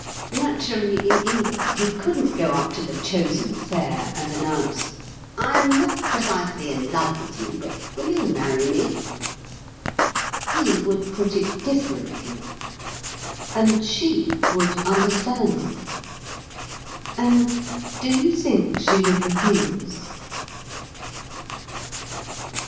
Naturally, in England, he couldn't go up to the Chosen Fair and announce: "I am not precisely in love with you, but will you marry me?" He would put it differently. And she would understand. And do you think she would refuse?